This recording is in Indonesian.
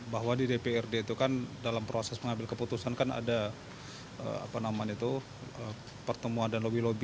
bahwa di dprd itu kan dalam proses pengambil keputusan kan ada pertemuan dan lobby lobby